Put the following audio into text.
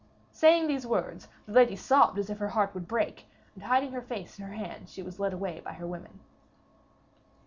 Saying these words, the lady sobbed as if her heart would break, and hiding her face in her hands she was led away by her women.